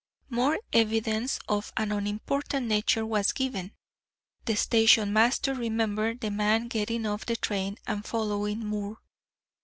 More evidence, of an unimportant nature, was given. The station master remembered the man getting off the train and following Moore.